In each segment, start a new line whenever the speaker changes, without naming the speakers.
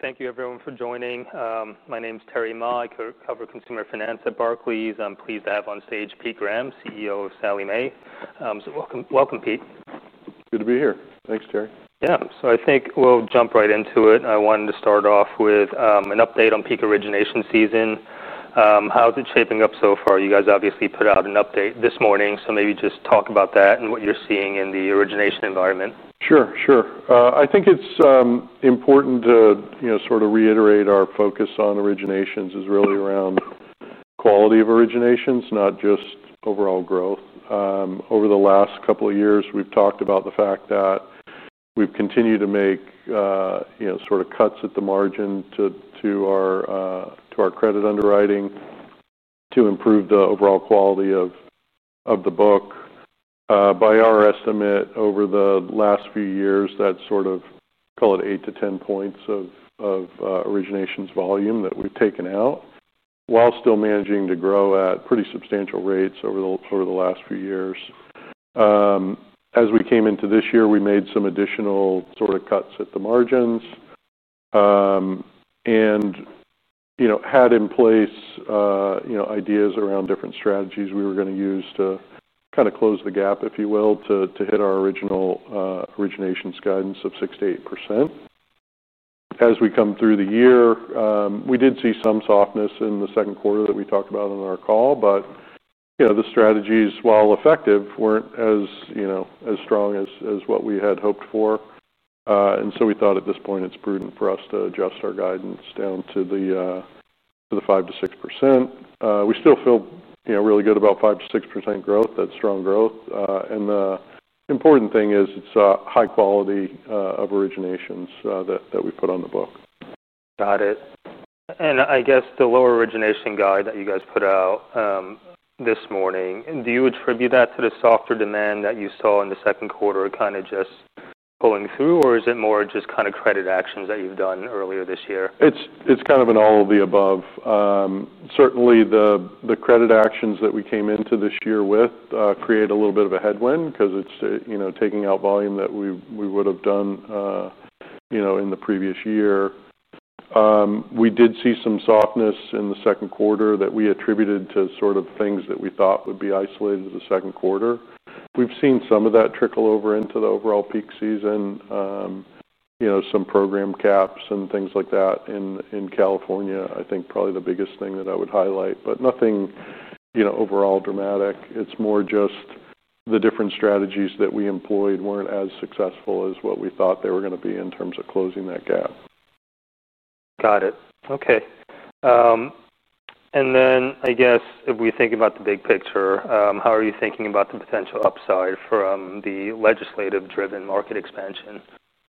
Thank you, everyone, for joining. My name is Terry Ma. I cover consumer finance at Barclays. I'm pleased to have on stage Pete Graham, CEO of Sallie Mae. Welcome, Pete.
Good to be here. Thanks, Terry.
Yeah. I think we'll jump right into it. I wanted to start off with an update on peak origination season. How is it shaping up so far? You guys obviously put out an update this morning, so maybe just talk about that and what you're seeing in the origination environment.
Sure. I think it's important to sort of reiterate our focus on originations is really around quality of originations, not just overall growth. Over the last couple of years, we've talked about the fact that we've continued to make sort of cuts at the margin to our credit underwriting to improve the overall quality of the book. By our estimate, over the last few years, that's sort of, call it, 8-10 points of originations volume that we've taken out while still managing to grow at pretty substantial rates over the last few years. As we came into this year, we made some additional sort of cuts at the margins and had in place ideas around different strategies we were going to use to kind of close the gap, if you will, to hit our original originations guidance of 6%-8%. As we come through the year, we did see some softness in the second quarter that we talked about on our call. The strategies, while effective, weren't as strong as what we had hoped for. At this point, it's prudent for us to adjust our guidance down to the 5%-6%. We still feel really good about 5%-6% growth. That's strong growth, and the important thing is it's a high quality of originations that we put on the book.
Got it. I guess the lower origination guide that you guys put out this morning, do you attribute that to the softer demand that you saw in the second quarter just going through, or is it more just credit actions that you've done earlier this year?
It's kind of an all of the above. Certainly, the credit actions that we came into this year with create a little bit of a headwind because it's taking out volume that we would have done in the previous year. We did see some softness in the second quarter that we attributed to things that we thought would be isolated to the second quarter. We've seen some of that trickle over into the overall peak season. Some program caps and things like that in California, I think, are probably the biggest thing that I would highlight, but nothing overall dramatic. It's more just the different strategies that we employed weren't as successful as what we thought they were going to be in terms of closing that gap.
Got it. Okay. If we think about the big picture, how are you thinking about the potential upside from the legislative-driven market expansion?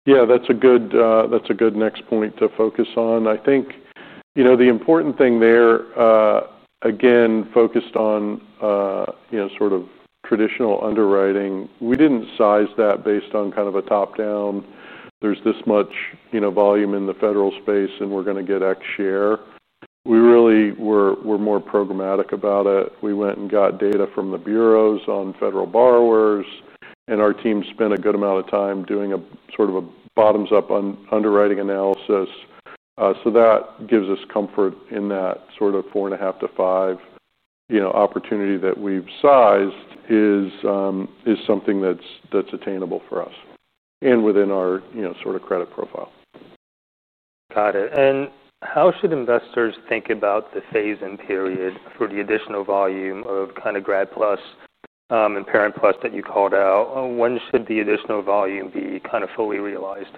Yeah, that's a good next point to focus on. I think the important thing there, again, focused on sort of traditional underwriting, we didn't size that based on kind of a top-down. There's this much volume in the federal space and we're going to get X share. We really were more programmatic about it. We went and got data from the bureaus on federal borrowers, and our team spent a good amount of time doing a sort of a bottoms-up underwriting analysis. That gives us comfort in that sort of four and a half to five, you know, opportunity that we've sized is something that's attainable for us and within our, you know, sort of credit profile.
Got it. How should investors think about the phase-in period for the additional volume of grad PLUS and parent PLUS that you called out? When should the additional volume be fully realized?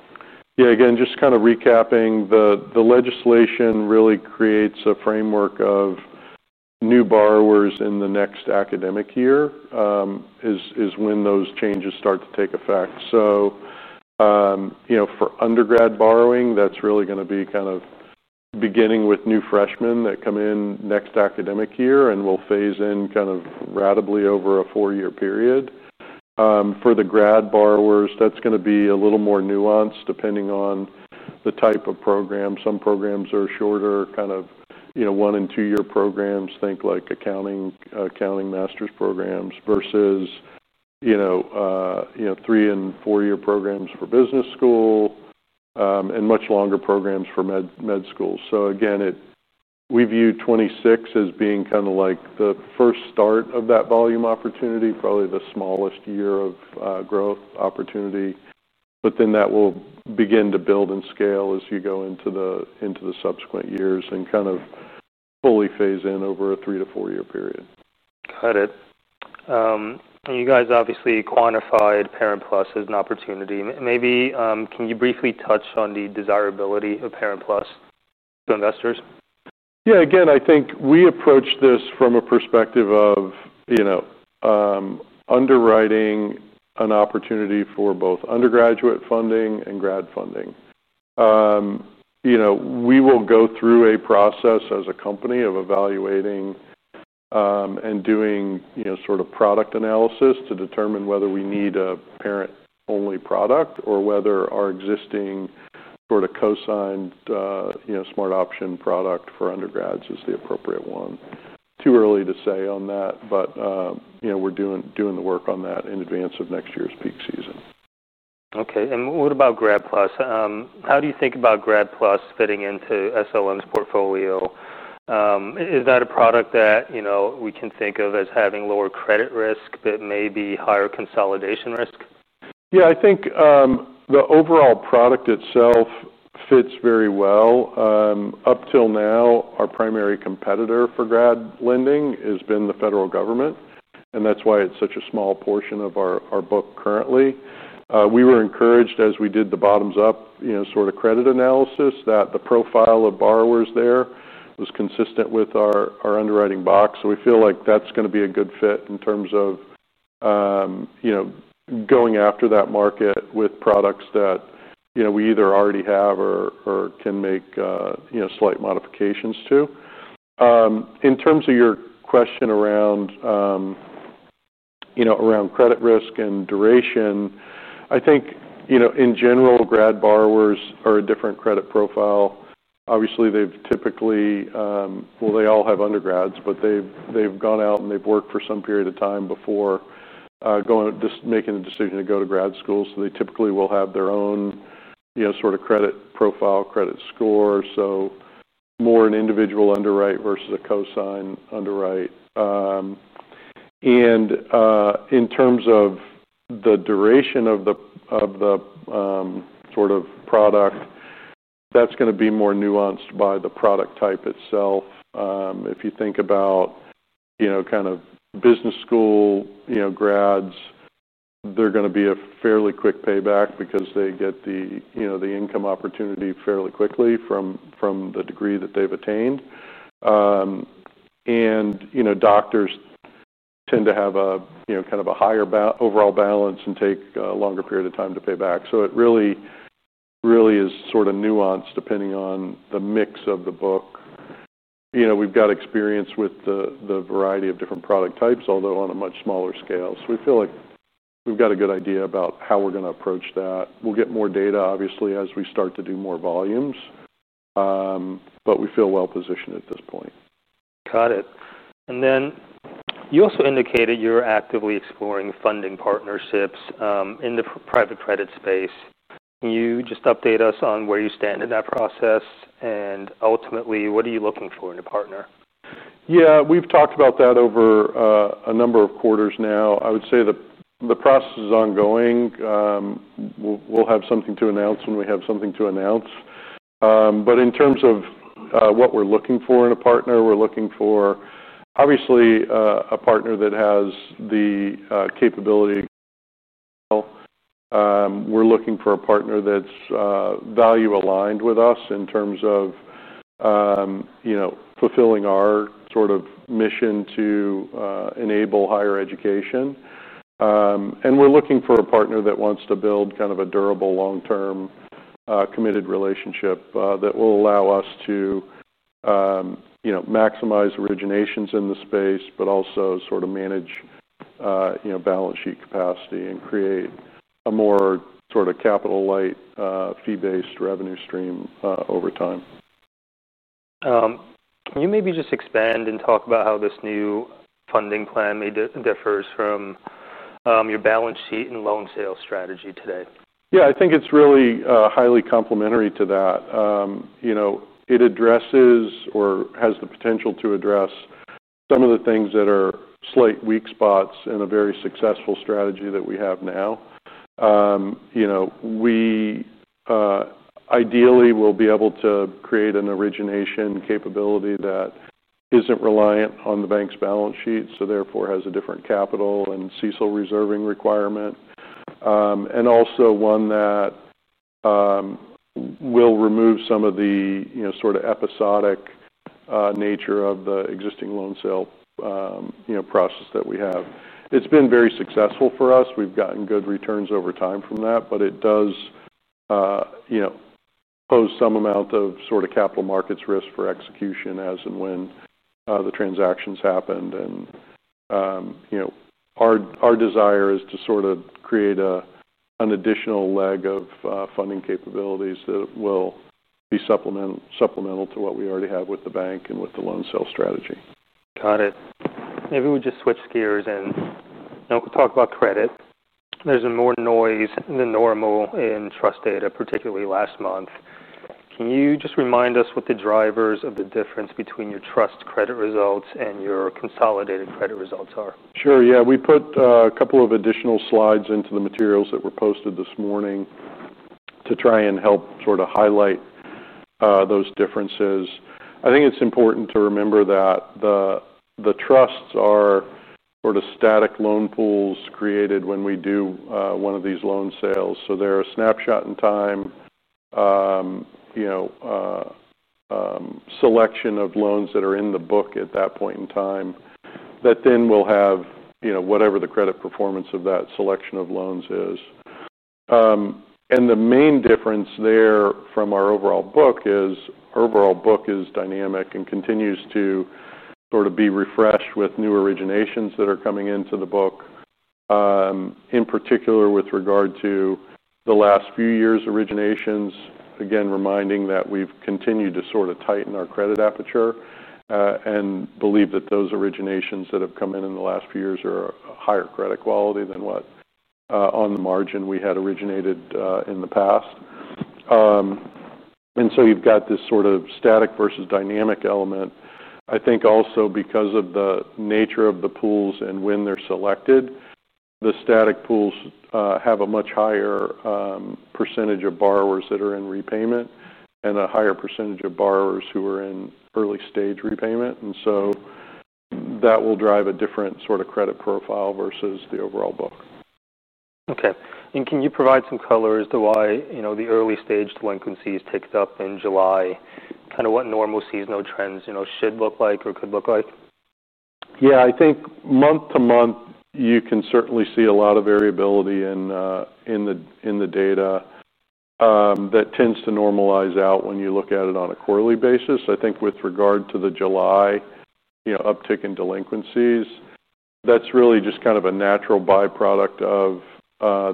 Yeah, again, just kind of recapping, the legislation really creates a framework of new borrowers in the next academic year is when those changes start to take effect. For undergrad borrowing, that's really going to be kind of beginning with new freshmen that come in next academic year and will phase in kind of rapidly over a four-year period. For the grad borrowers, that's going to be a little more nuanced depending on the type of program. Some programs are shorter, kind of, you know, one and two-year programs, think like accounting master's programs versus, you know, three and four-year programs for business school and much longer programs for med school. We view 2026 as being kind of like the first start of that volume opportunity, probably the smallest year of growth opportunity. That will begin to build and scale as you go into the subsequent years and kind of fully phase in over a three to four-year period.
Got it. You guys obviously quantified parent PLUS as an opportunity. Maybe can you briefly touch on the desirability of parent PLUS to investors?
Yeah, again, I think we approach this from a perspective of underwriting an opportunity for both undergraduate funding and grad funding. We will go through a process as a company of evaluating and doing product analysis to determine whether we need a parent-only product or whether our existing sort of co-signed, you know, Smart Option product for undergrads is the appropriate one. Too early to say on that, but we're doing the work on that in advance of next year's peak season.
Okay. What about grad PLUS? How do you think about grad PLUS fitting into SLM's portfolio? Is that a product that, you know, we can think of as having lower credit risk, but maybe higher consolidation risk?
Yeah, I think the overall product itself fits very well. Up till now, our primary competitor for grad lending has been the federal government, and that's why it's such a small portion of our book currently. We were encouraged, as we did the bottoms-up credit analysis, that the profile of borrowers there was consistent with our underwriting box. We feel like that's going to be a good fit in terms of going after that market with products that we either already have or can make slight modifications to. In terms of your question around credit risk and duration, I think in general, grad borrowers are a different credit profile. Obviously, they've typically, well, they all have undergrads, but they've gone out and they've worked for some period of time before making the decision to go to grad school. They typically will have their own credit profile, credit score, so more an individual underwrite versus a co-sign underwrite. In terms of the duration of the product, that's going to be more nuanced by the product type itself. If you think about business school grads, they're going to be a fairly quick payback because they get the income opportunity fairly quickly from the degree that they've attained. Doctors tend to have a higher overall balance and take a longer period of time to pay back. It really is nuanced depending on the mix of the book. We've got experience with the variety of different product types, although on a much smaller scale. We feel like we've got a good idea about how we're going to approach that. We'll get more data, obviously, as we start to do more volumes, but we feel well positioned at this point.
Got it. You also indicated you're actively exploring funding partnerships in the private credit space. Can you just update us on where you stand in that process, and ultimately what are you looking for in a partner?
Yeah, we've talked about that over a number of quarters now. I would say the process is ongoing. We'll have something to announce when we have something to announce. In terms of what we're looking for in a partner, we're looking for, obviously, a partner that has the capability. We're looking for a partner that's value-aligned with us in terms of, you know, fulfilling our sort of mission to enable higher education. We're looking for a partner that wants to build kind of a durable, long-term, committed relationship that will allow us to maximize originations in the space, but also sort of manage balance sheet capacity and create a more capital-light, fee-based revenue stream over time.
Can you maybe just expand and talk about how this new funding plan differs from your balance sheet and loan sales strategy today?
Yeah, I think it's really highly complementary to that. It addresses or has the potential to address some of the things that are slight weak spots in a very successful strategy that we have now. We ideally will be able to create an origination capability that isn't reliant on the bank's balance sheet, so therefore has a different capital and CECL reserving requirement. Also, one that will remove some of the sort of episodic nature of the existing loan sale process that we have. It's been very successful for us. We've gotten good returns over time from that, but it does pose some amount of sort of capital markets risk for execution as and when the transactions happen. Our desire is to create an additional leg of funding capabilities that will be supplemental to what we already have with the bank and with the loan sale strategy.
Got it. Maybe we'll just switch gears and talk about credit. There's more noise than normal in trust data, particularly last month. Can you just remind us what the drivers of the difference between your trust credit results and your consolidated credit results are?
Sure. Yeah, we put a couple of additional slides into the materials that were posted this morning to try and help sort of highlight those differences. I think it's important to remember that the trusts are sort of static loan pools created when we do one of these loan sales. They're a snapshot in time, you know, selection of loans that are in the book at that point in time that then will have, you know, whatever the credit performance of that selection of loans is. The main difference there from our overall book is our overall book is dynamic and continues to sort of be refreshed with new originations that are coming into the book, in particular with regard to the last few years' originations. Again, reminding that we've continued to sort of tighten our credit aperture and believe that those originations that have come in in the last few years are a higher credit quality than what on the margin we had originated in the past. You've got this sort of static versus dynamic element. I think also because of the nature of the pools and when they're selected, the static pools have a much higher percentage of borrowers that are in repayment and a higher percentage of borrowers who are in early-stage repayment. That will drive a different sort of credit profile versus the overall book.
Okay, can you provide some color as to why the early-stage delinquencies ticked up in July, kind of what normal seasonal trends should look like or could look like?
Yeah, I think month to month, you can certainly see a lot of variability in the data that tends to normalize out when you look at it on a quarterly basis. I think with regard to the July uptick in delinquencies, that's really just kind of a natural byproduct of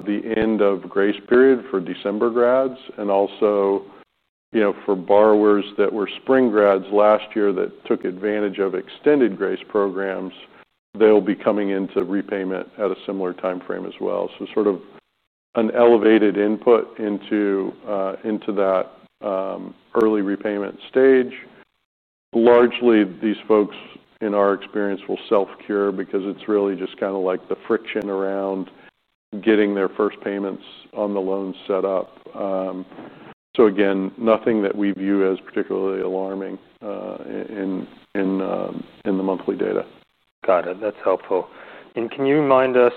the end of grace period for December grads. Also, for borrowers that were spring grads last year that took advantage of extended grace programs, they'll be coming into repayment at a similar timeframe as well, creating sort of an elevated input into that early repayment stage. Largely, these folks, in our experience, will self-cure because it's really just kind of like the friction around getting their first payments on the loan set up. Again, nothing that we view as particularly alarming in the monthly data.
Got it. That's helpful. Can you remind us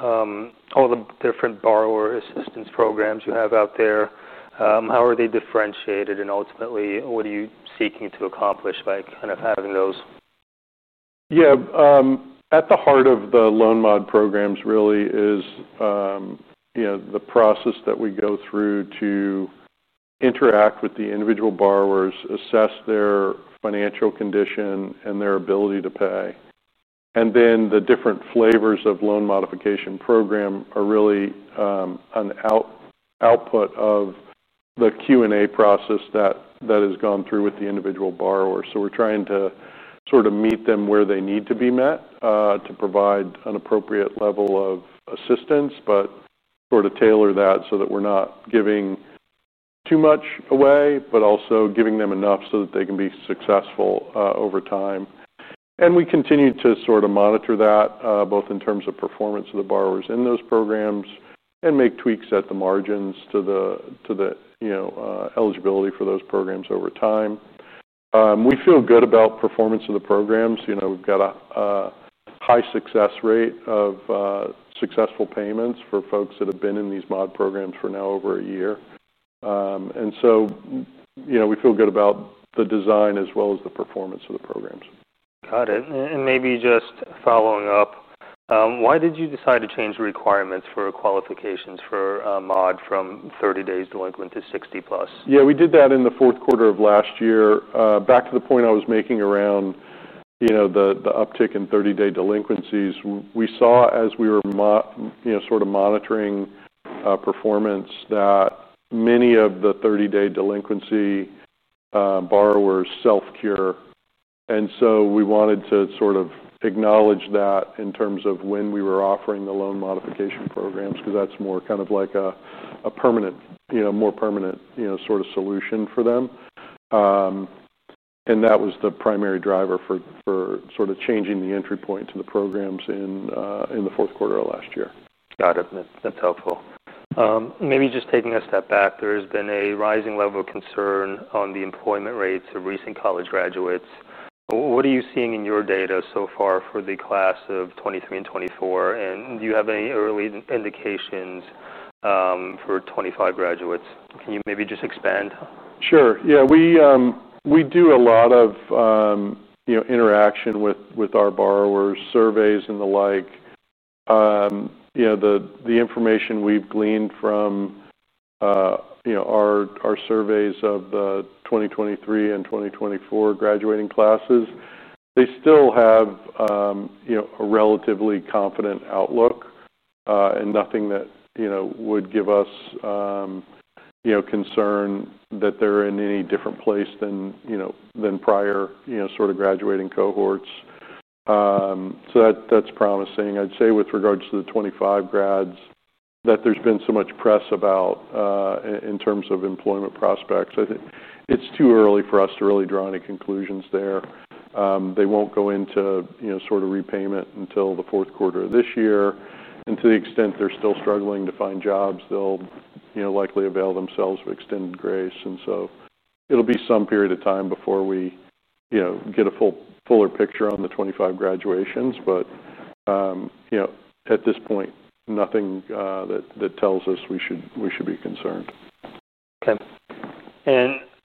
all the different borrower assistance programs you have out there? How are they differentiated? Ultimately, what are you seeking to accomplish by kind of having those?
Yeah, at the heart of the loan modification programs really is the process that we go through to interact with the individual borrowers, assess their financial condition, and their ability to pay. The different flavors of loan modification program are really an output of the Q&A process that has gone through with the individual borrower. We're trying to sort of meet them where they need to be met to provide an appropriate level of assistance, but sort of tailor that so that we're not giving too much away, but also giving them enough so that they can be successful over time. We continue to sort of monitor that both in terms of performance of the borrowers in those programs and make tweaks at the margins to the eligibility for those programs over time. We feel good about performance of the programs. We've got a high success rate of successful payments for folks that have been in these modification programs for now over a year. We feel good about the design as well as the performance of the programs.
Got it. Maybe just following up, why did you decide to change the requirements for qualifications for a mod from 30 days delinquent to 60+?
Yeah, we did that in the fourth quarter of last year. Back to the point I was making around the uptick in 30-day delinquencies, we saw as we were monitoring performance that many of the 30-day delinquency borrowers self-cure. We wanted to acknowledge that in terms of when we were offering the loan modification programs because that's more kind of like a permanent, more permanent solution for them. That was the primary driver for changing the entry point to the programs in the fourth quarter of last year.
Got it. That's helpful. Maybe just taking a step back, there has been a rising level of concern on the employment rates of recent college graduates. What are you seeing in your data so far for the class of 2023 and 2024? Do you have any early indications for 2025 graduates? Can you maybe just expand?
Sure. We do a lot of interaction with our borrowers, surveys, and the like. The information we've gleaned from our surveys of the 2023 and 2024 graduating classes, they still have a relatively confident outlook and nothing that would give us concern that they're in any different place than prior graduating cohorts. That's promising. I'd say with regards to the 2025 grads, that there's been so much press about in terms of employment prospects. I think it's too early for us to really draw any conclusions there. They won't go into repayment until the fourth quarter of this year. To the extent they're still struggling to find jobs, they'll likely avail themselves of extended grace. It'll be some period of time before we get a fuller picture on the 2025 graduations. At this point, nothing that tells us we should be concerned.
Okay.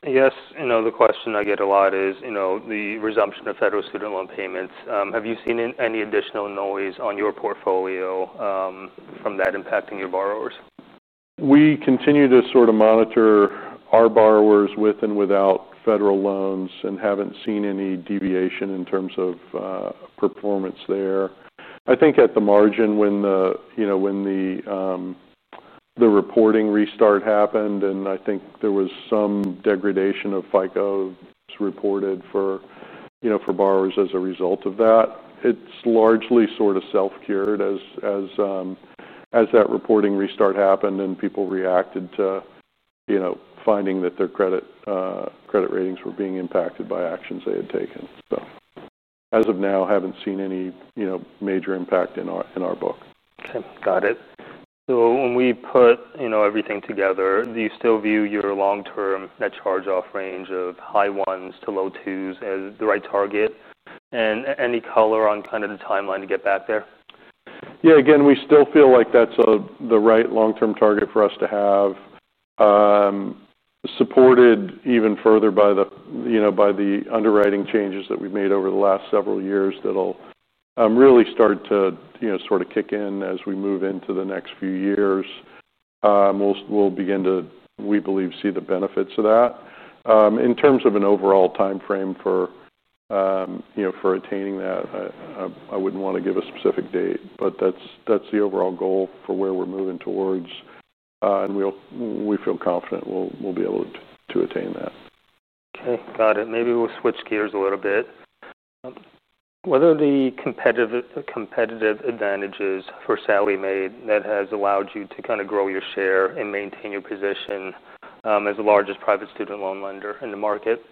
I guess, you know, the question I get a lot is, you know, the resumption of federal student loan payments. Have you seen any additional noise on your portfolio from that impacting your borrowers?
We continue to sort of monitor our borrowers with and without federal loans and haven't seen any deviation in terms of performance there. I think at the margin when the reporting restart happened, I think there was some degradation of FICO reported for borrowers as a result of that. It's largely sort of self-cured as that reporting restart happened and people reacted to finding that their credit ratings were being impacted by actions they had taken. As of now, I haven't seen any major impact in our book.
Got it. When we put everything together, do you still view your long-term net charge-off range of high ones to low twos as the right target? Any color on the timeline to get back there?
Yeah, we still feel like that's the right long-term target for us to have, supported even further by the underwriting changes that we've made over the last several years that'll really start to kick in as we move into the next few years. We believe we'll begin to see the benefits of that. In terms of an overall timeframe for attaining that, I wouldn't want to give a specific date, but that's the overall goal for where we're moving towards. We feel confident we'll be able to attain that.
Okay. Got it. Maybe we'll switch gears a little bit. What are the competitive advantages for Sallie Mae that has allowed you to kind of grow your share and maintain your position as the largest private student loan lender in the market?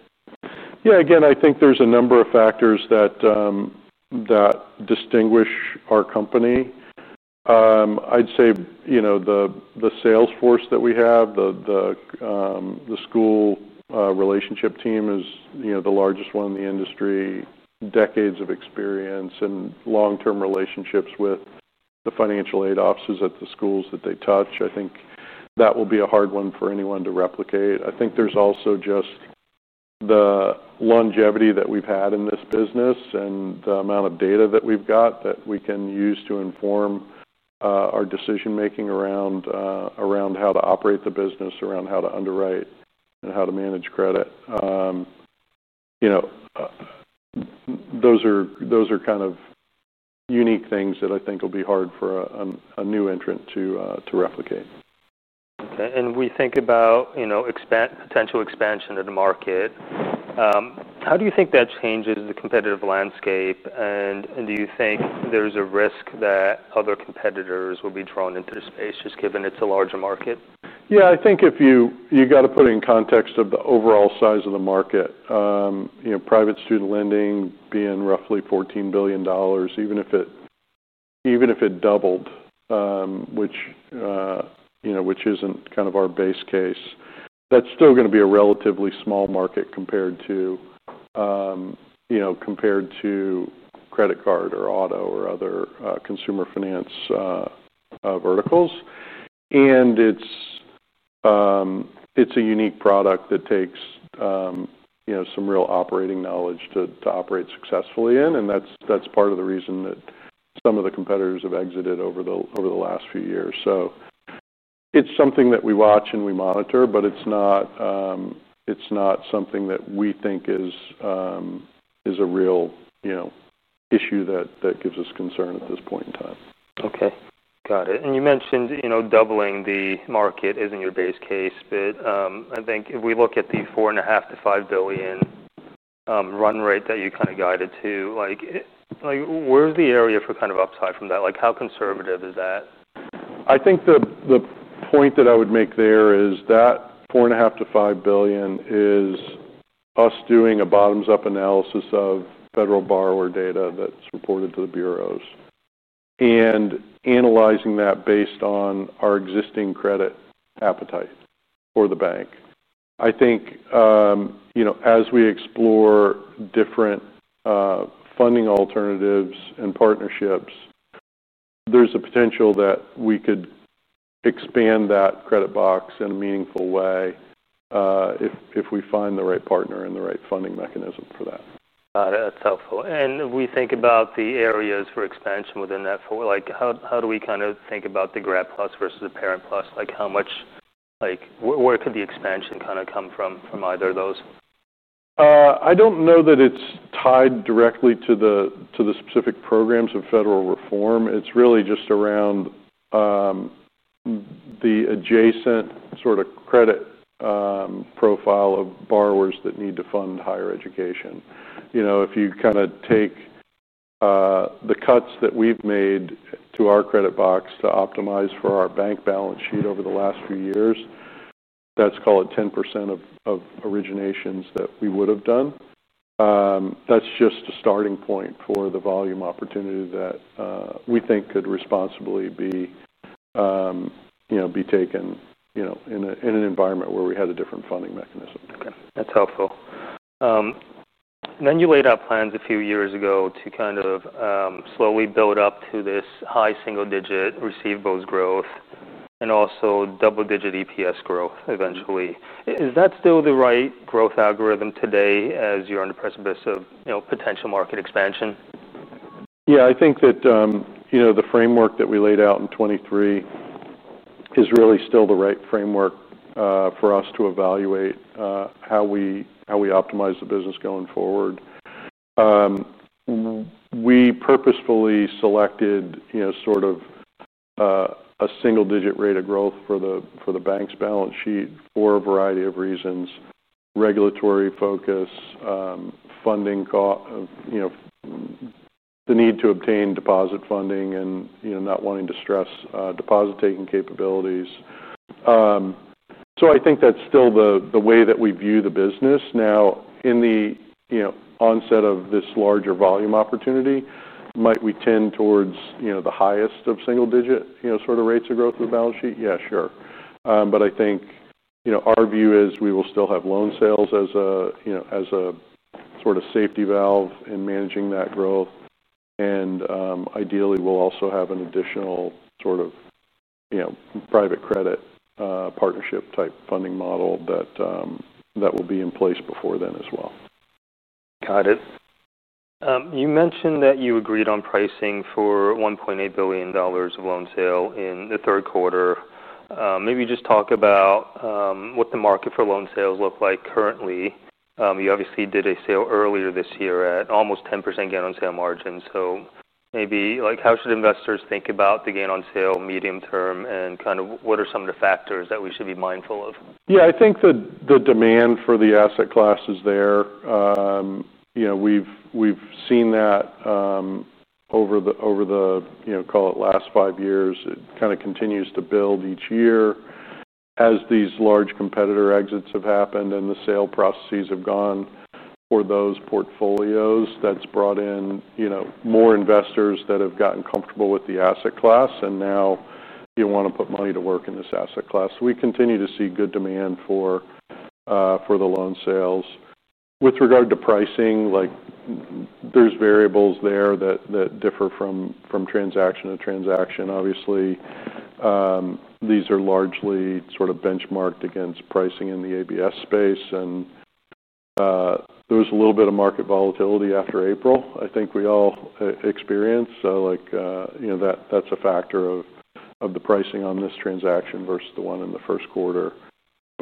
Yeah, again, I think there's a number of factors that distinguish our company. I'd say the sales force that we have, the school relationship team, is the largest one in the industry, decades of experience, and long-term relationships with the financial aid offices at the schools that they touch. I think that will be a hard one for anyone to replicate. I think there's also just the longevity that we've had in this business and the amount of data that we've got that we can use to inform our decision-making around how to operate the business, around how to underwrite, and how to manage credit. Those are kind of unique things that I think will be hard for a new entrant to replicate.
Okay. When we think about, you know, potential expansion to the market, how do you think that changes the competitive landscape? Do you think there's a risk that other competitors will be drawn into the space just given it's a larger market?
Yeah, I think if you got to put it in context of the overall size of the market, you know, private student lending being roughly $14 billion, even if it doubled, which isn't kind of our base case, that's still going to be a relatively small market compared to credit card or auto or other consumer finance verticals. It's a unique product that takes some real operating knowledge to operate successfully in. That's part of the reason that some of the competitors have exited over the last few years. It's something that we watch and we monitor, but it's not something that we think is a real issue that gives us concern at this point in time.
Okay. Got it. You mentioned doubling the market isn't your base case, but I think if we look at the $4.5 billion-$5 billion run rate that you kind of guided to, where's the area for upside from that? How conservative is that?
I think the point that I would make there is that $4.5 billion-$5 billion is us doing a bottoms-up underwriting analysis of federal borrower data that's reported to the bureaus and analyzing that based on our existing credit appetite for the bank. I think, as we explore different funding alternatives and partnerships, there's a potential that we could expand that credit box in a meaningful way if we find the right partner and the right funding mechanism for that.
Got it. That's helpful. When we think about the areas for expansion within that four, how do we kind of think about the grad PLUS versus the parent PLUS? How much, like, where could the expansion kind of come from from either of those?
I don't know that it's tied directly to the specific programs of federal reform. It's really just around the adjacent sort of credit profile of borrowers that need to fund higher education. If you kind of take the cuts that we've made to our credit box to optimize for our bank balance sheet over the last few years, that's called 10% of originations that we would have done. That's just a starting point for the volume opportunity that we think could responsibly be taken in an environment where we had a different funding mechanism.
That's helpful. You laid out plans a few years ago to kind of slowly build up to this high single-digit receivables growth and also double-digit EPS growth eventually. Is that still the right growth algorithm today as you're on the precipice of potential market expansion?
Yeah, I think that the framework that we laid out in 2023 is really still the right framework for us to evaluate how we optimize the business going forward. We purposefully selected a single-digit rate of growth for the bank's balance sheet for a variety of reasons: regulatory focus, funding cost, the need to obtain deposit funding, and not wanting to stress deposit-taking capabilities. I think that's still the way that we view the business. Now, in the onset of this larger volume opportunity, might we tend towards the highest of single-digit rates of growth of the balance sheet? Yeah, sure. I think our view is we will still have loan sales as a sort of safety valve in managing that growth. Ideally, we'll also have an additional sort of private credit partnership type funding model that will be in place before then as well.
Got it. You mentioned that you agreed on pricing for $1.8 billion of loan sale in the third quarter. Maybe just talk about what the market for loan sales looks like currently. You obviously did a sale earlier this year at almost 10% gain on sale margin. How should investors think about the gain on sale medium term and what are some of the factors that we should be mindful of?
Yeah, I think the demand for the asset class is there. We've seen that over the last five years. It kind of continues to build each year as these large competitor exits have happened and the sale processes have gone for those portfolios. That's brought in more investors that have gotten comfortable with the asset class and now want to put money to work in this asset class. We continue to see good demand for the loan sales. With regard to pricing, there are variables there that differ from transaction to transaction. Obviously, these are largely benchmarked against pricing in the ABS space. There was a little bit of market volatility after April, I think we all experienced. That's a factor of the pricing on this transaction versus the one in the first quarter.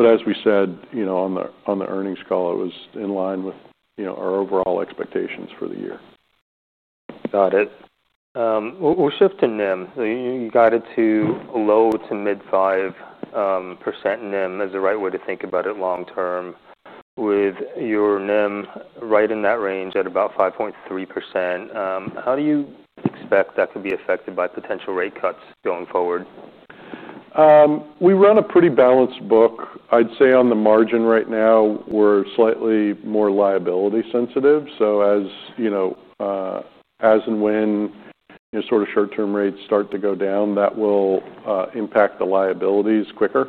As we said on the earnings call, it was in line with our overall expectations for the year.
Got it. We'll shift to NIM. You guided to low to mid 5% NIM as the right way to think about it long term. With your NIM right in that range at about 5.3%, how do you expect that could be affected by potential rate cuts going forward?
We run a pretty balanced book. I'd say on the margin right now, we're slightly more liability sensitive. As and when short-term rates start to go down, that will impact the liabilities quicker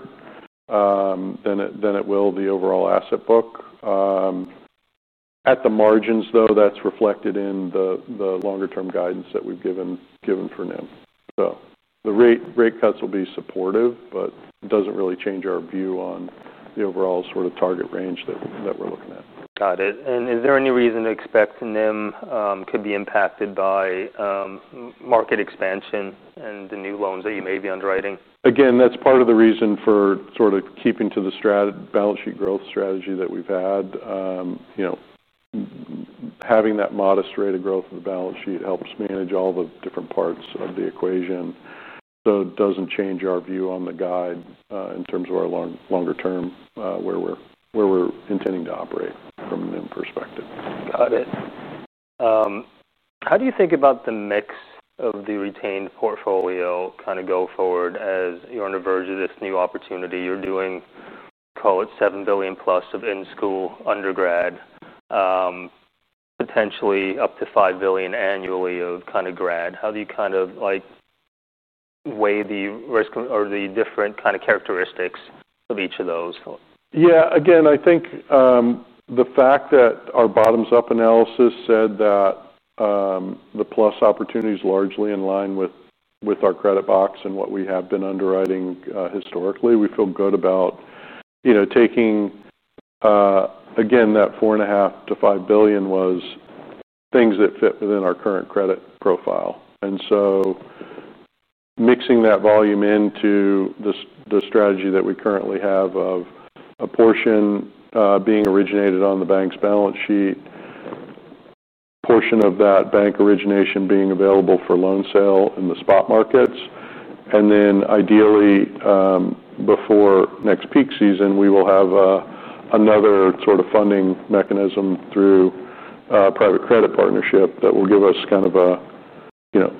than it will the overall asset book. At the margins, though, that's reflected in the longer-term guidance that we've given for NIM. The rate cuts will be supportive, but it doesn't really change our view on the overall sort of target range that we're looking at.
Is there any reason to expect NIM could be impacted by market expansion and the new loans that you may be underwriting?
Again, that's part of the reason for keeping to the balance sheet growth strategy that we've had. Having that modest rate of growth of the balance sheet helps manage all the different parts of the equation. It doesn't change our view on the guide in terms of our longer term where we're intending to operate from an NIM perspective.
Got it. How do you think about the mix of the retained portfolio going forward as you're on the verge of this new opportunity? You're doing, call it, $7 billion+ of in-school undergrad, potentially up to $5 billion annually of grad. How do you weigh the risk or the different characteristics of each of those?
Yeah, again, I think the fact that our bottoms-up underwriting analysis said that the PLUS opportunity is largely in line with our credit box and what we have been underwriting historically, we feel good about, you know, taking, again, that $4.5 billion-$5 billion was things that fit within our current credit profile. Mixing that volume into the strategy that we currently have of a portion being originated on the bank's balance sheet, a portion of that bank origination being available for loan sale in the spot markets. Ideally, before next peak season, we will have another sort of funding mechanism through a private credit partnership that will give us kind of an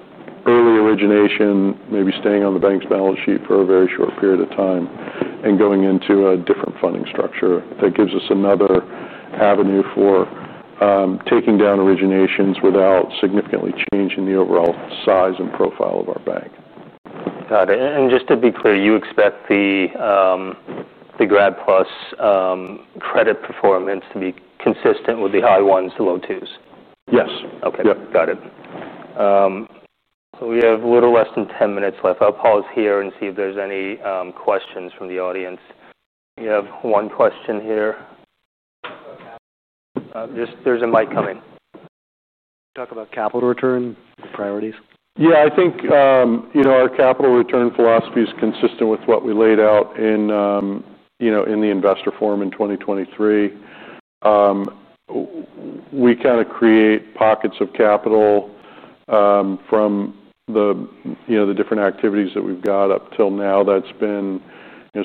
early origination, maybe staying on the bank's balance sheet for a very short period of time and going into a different funding structure that gives us another avenue for taking down originations without significantly changing the overall size and profile of our bank.
Got it. Just to be clear, you expect the grad PLUS credit performance to be consistent with the high ones to low twos?
Yes.
Okay. Got it. We have a little less than 10 minutes left. I'll pause here and see if there's any questions from the audience. We have one question here. There's a mic coming. Talk about capital return priorities.
Yeah, I think our capital return philosophy is consistent with what we laid out in the investor forum in 2023. We kind of create pockets of capital from the different activities that we've got up till now. That's been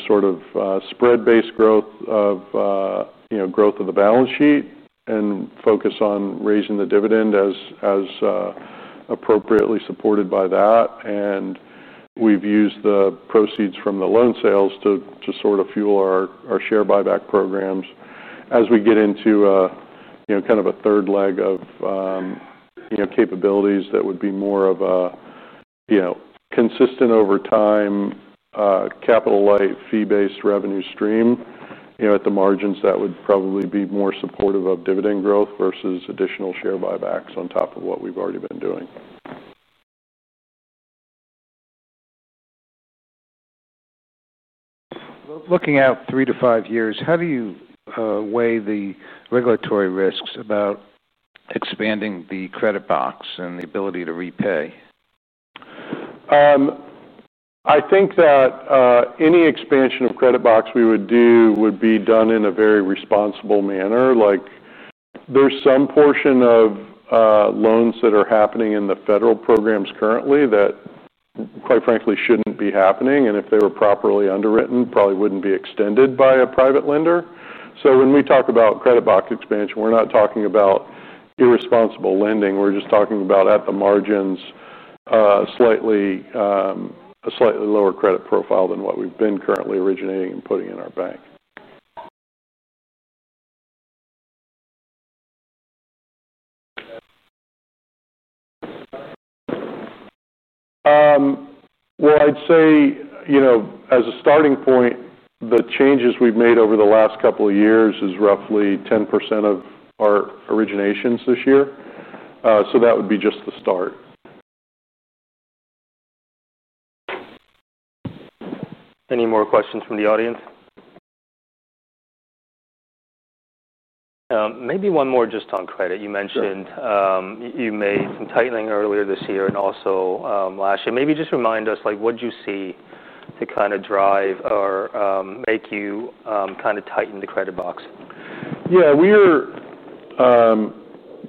sort of spread-based growth of the balance sheet and focus on raising the dividend as appropriately supported by that. We've used the proceeds from the loan sales to fuel our share buyback programs as we get into kind of a third leg of capabilities that would be more of a consistent over time capital-light fee-based revenue stream. At the margins, that would probably be more supportive of dividend growth versus additional share buybacks on top of what we've already been doing.
Looking out three to five years, how do you weigh the regulatory risks about expanding the credit box and the ability to repay?
I think that any expansion of credit box we would do would be done in a very responsible manner. There's some portion of loans that are happening in the federal programs currently that quite frankly shouldn't be happening. If they were properly underwritten, probably wouldn't be extended by a private lender. When we talk about credit box expansion, we're not talking about irresponsible lending. We're just talking about at the margins, a slightly lower credit profile than what we've been currently originating and putting in our bank. As a starting point, the changes we've made over the last couple of years is roughly 10% of our originations this year. That would be just the start.
Any more questions from the audience? Maybe one more just on credit. You mentioned you made some tightening earlier this year and also last year. Maybe just remind us, what do you see to drive or make you tighten the credit box?
Yeah, we are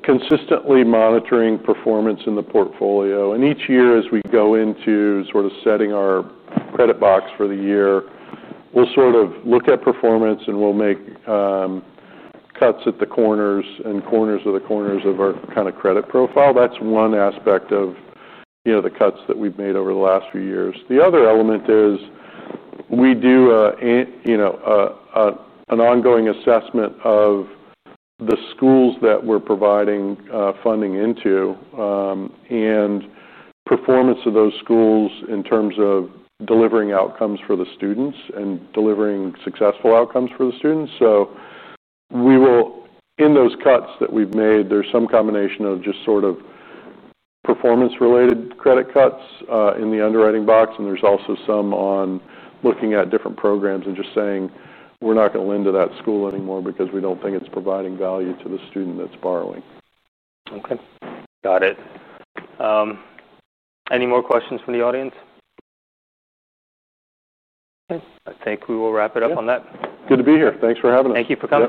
consistently monitoring performance in the portfolio. Each year, as we go into setting our credit box for the year, we'll look at performance and we'll make cuts at the corners and corners of the corners of our kind of credit profile. That's one aspect of the cuts that we've made over the last few years. The other element is we do an ongoing assessment of the schools that we're providing funding into and performance of those schools in terms of delivering outcomes for the students and delivering successful outcomes for the students. We will, in those cuts that we've made, there's some combination of just performance-related credit cuts in the underwriting box. There's also some on looking at different programs and just saying, we're not going to lend to that school anymore because we don't think it's providing value to the student that's borrowing.
Okay. Got it. Any more questions from the audience? I think we will wrap it up on that.
Good to be here. Thanks for having us.
Thank you for coming.